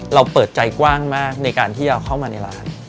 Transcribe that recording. เปิดใจกว้างมากในการที่เราเข้ามาในร้าน